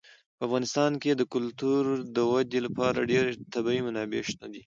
په افغانستان کې د کلتور د ودې لپاره ډېرې طبیعي منابع شته دي.